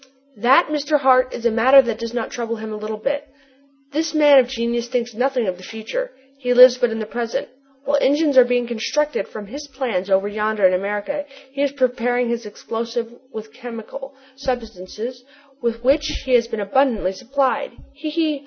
"That, Mr. Hart, is a matter that does not trouble him a little bit! This man of genius thinks nothing of the future: he lives but in the present. While engines are being constructed from his plans over yonder in America, he is preparing his explosive with chemical substances with which he has been abundantly supplied. He! he!